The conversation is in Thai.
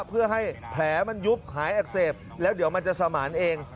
เพื่อให้แผลมันยุบหายอักเสบแล้วเดี๋ยวมันจะสมานเอง